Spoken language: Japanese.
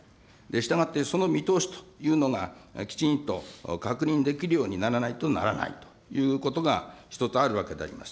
したがってその見通しというのが、きちんと確認できるようにならないとならないということが一つ、あるわけであります。